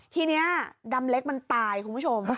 ทีนี้ดำเล็กมันตายคุณผู้ชม